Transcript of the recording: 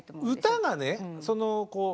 歌がね